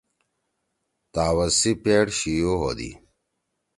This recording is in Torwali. طاوس سی پیڑ شیو ہودی۔